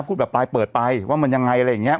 พูดแบบปลายเปิดไปว่ามันยังไงอะไรอย่างนี้